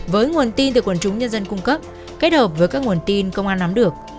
với nguồn tin được quần chúng nhân dân cung cấp kết hợp với các nguồn tin công an nắm được